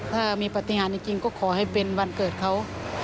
ถ้ามีปฏิหารจริงก็ขอให้เป็นวันเกิดเขา